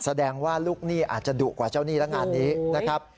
แสดงว่าลูกหนี้อาจจะดุกว่าเจ้าหนี้และงานนี้นะครับ